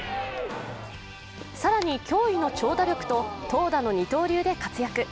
更に驚異の長打力と投打の二刀流で活躍。